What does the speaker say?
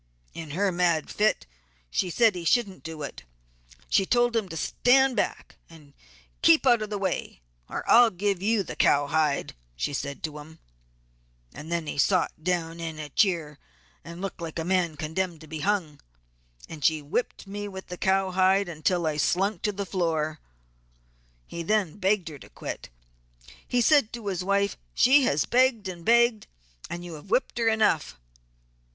In her mad fit she said he shouldn't do it, and told him to stand back and keep out of the way or I will give you the cowhide she said to him. He then 'sot' down in a 'cheer' and looked like a man condemned to be hung; then she whipped me with the cowhide until I sunk to the floor. He then begged her to quit. He said to his wife she has begged and begged and you have whipped her enough.